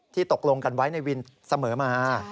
ตกลงกันไว้ในวินเสมอมา